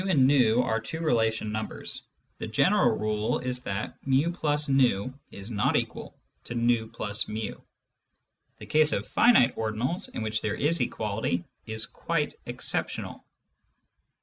and v are two relation numbers, the general rule is that ja f i> is not equal to v \ [i. The case of finite ordinals, in which there is equality, is quite exceptional.